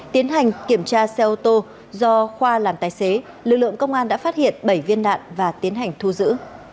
tiến hành kiểm tra xe ô tô do khoa làm tài xế lực lượng công an đã phát hiện bảy viên đạn và tiến hành thu giữ